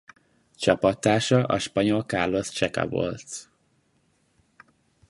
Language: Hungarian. Csapattársa a spanyol Carlos Checa volt.